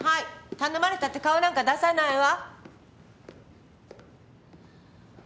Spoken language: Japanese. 頼まれたって顔なんか出さないわ。